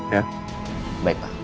ya baik pak